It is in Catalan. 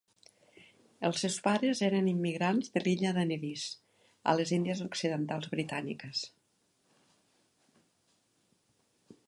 Els seus pares eren immigrants de l'illa de Nevis, a les Índies Occidentals britàniques.